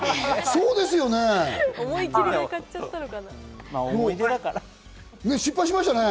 そうですよね。